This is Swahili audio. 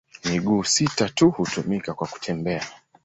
Miguu sita tu hutumika kwa kutembea.